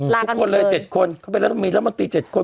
ทุกคนเลย๗คนเข้าไปแล้วเมียรัฐมนตรี๗คน